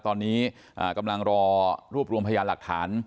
ตอนนี้กำลังรอรวบรวมพยานหลักฐาน